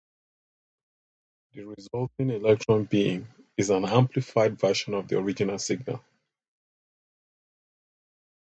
The resulting electron beam is an amplified version of the original signal.